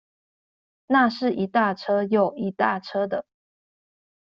那是一大車又一大車的